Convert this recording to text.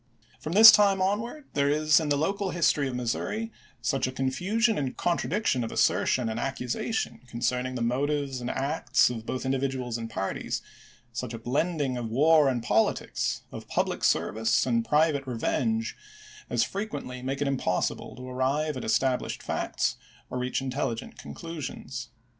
^ From this time on ward there is in the local history of Missouri such a confusion and contradiction of assertion and accusation concerning the motives and acts of both individuals and parties, such a blending of war and politics, of public service and private revenge, as frequently make it impossible to arrive at established facts or reach intelligent conclusions.